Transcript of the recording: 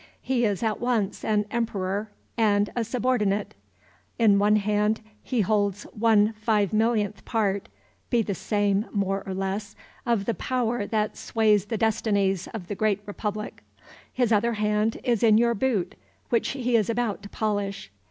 He is at once an emperor and a subordinate. In one hand he holds one five millionth part (be the same more or less) of the power that sways the destinies of the Great Republic. His other hand is in your boot, which he is about to polish.